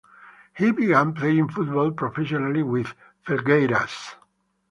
He began playing football professionally with Felgueiras.